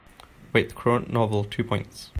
Rate the current novel two points